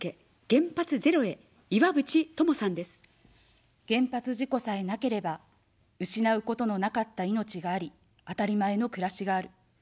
原発事故さえなければ、失うことのなかった命があり、あたりまえの暮らしがある。